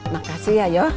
makasih ya yo